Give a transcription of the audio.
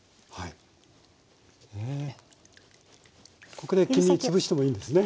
ここで黄身つぶしてもいいんですね？